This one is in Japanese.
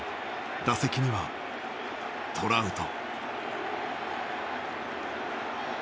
打席にはトラウト。